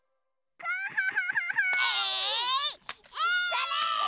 それ！